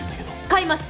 買います。